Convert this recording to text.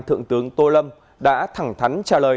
thượng tướng tô lâm đã thẳng thắn trả lời